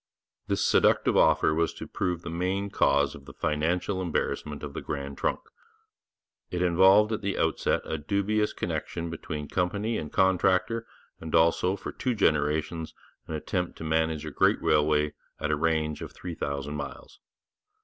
This seductive offer was to prove the main cause of the financial embarrassment of the Grand Trunk. It involved at the outset a dubious connection between company and contractor, and also for two generations an attempt to manage a great railway at a range of three thousand miles.